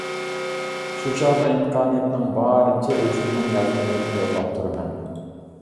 شۇ چاغدا ئىمكانىيەتنىڭ بارىچە ئۆزۈمنىڭ يازمىلىرىنى يوللاپ تۇرىمەن.